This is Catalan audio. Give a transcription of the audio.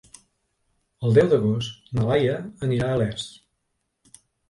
El deu d'agost na Laia anirà a Les.